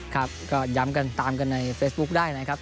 ครับก็ย้ำกันตามกันในเฟซบุ๊คได้นะครับ